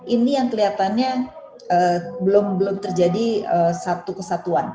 ini yang kelihatannya belum terjadi satu kesatuan